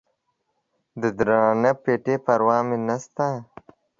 د درانه پېټي پروا مې نسته.